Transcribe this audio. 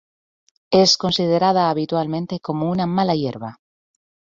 Es considerada habitualmente como una mala hierba.